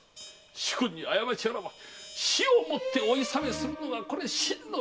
主君に過ちあらば死をもってお諫めするのがこれ臣の道！